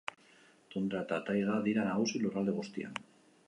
Tundra eta taiga dira nagusi lurralde guztian.